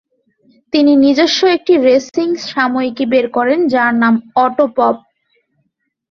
তিনি নিজস্ব একটি রেসিং সাময়িকী বের করেন যার নাম "অটো পপ"।